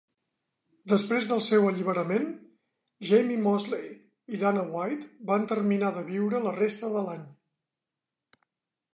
Després del seu alliberament, Jamie Mosley i Dana White van terminar de viure la resta de l"any.